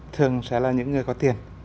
thường sẽ là những người có tiền